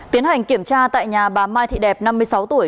tiến hành kiểm tra tại nhà bà mai thị đẹp năm mươi sáu tuổi